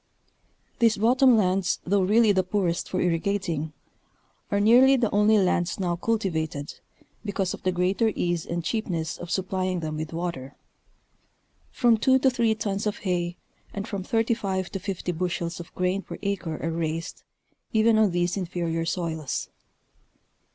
These bottom lands though really the poorest for irrigating, are nearly the only lands now cultivated, because of the greater ease and cheapness of supplying them with water. From two to. three tons of hay and from 35 to 50 bushels of grain per acre are raised even on these inferior soils.